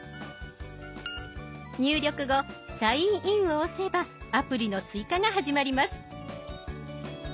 入力後サインインを押せばアプリの追加が始まります。